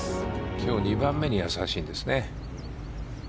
今日、２番目にやさしいですね。